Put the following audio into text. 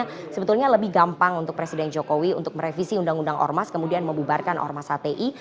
karena sebetulnya lebih gampang untuk presiden jokowi untuk merevisi undang undang ormas kemudian membubarkan ormas hti